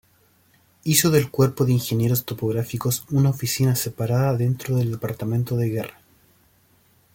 Hizo del Cuerpo de Ingenieros Topográficos una oficina separada dentro del Departamento de Guerra.